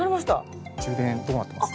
充電どうなってます？